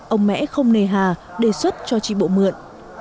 ông mẽ không nề hà đề xuất cho tri bộ mượn